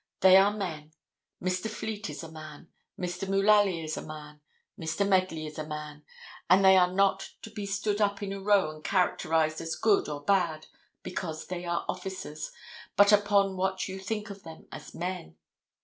They are men; Mr. Fleet is a man, Mr. Mullaly is a man, Mr. Medley is a man, and they are not to be stood up in a row and characterized as good or bad because they are officers, but upon what you think of them as men.